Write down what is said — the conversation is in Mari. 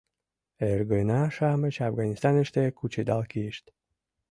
— Эргына-шамыч Афганистаныште кучедал кийышт.